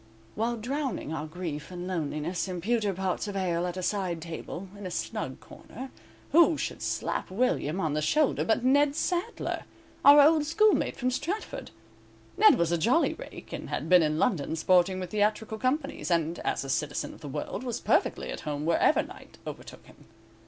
While drowning our grief and loneliness in pewter pots of ale at a side table, in a snug corner, who should slap William on the shoulder but Ned Sadler, our old schoolmate from Stratford. Ned was a jolly rake, and had been in London sporting with theatrical companies, and, as a citizen of the world, was perfectly at home wherever night overtook him.